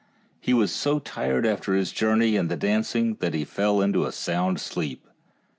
He was so tired after his journey and the dancing that he fell into a sound sleep.